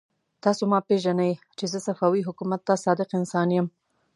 تاسو ما پېژنئ چې صفوي حکومت ته صادق انسان يم.